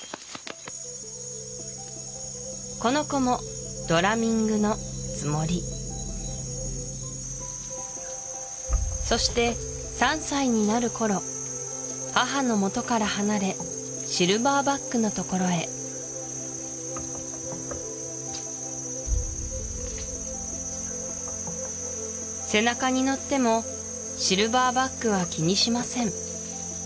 この子もドラミングのつもりそして３歳になる頃母のもとから離れシルバーバックのところへ背中に乗ってもシルバーバックは気にしません